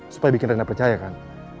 supaya bikin rendah percaya kan